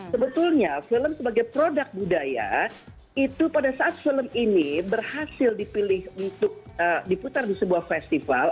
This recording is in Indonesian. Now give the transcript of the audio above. sebetulnya film sebagai produk budaya itu pada saat film ini berhasil dipilih untuk diputar di sebuah festival